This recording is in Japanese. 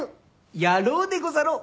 やろうでござろう。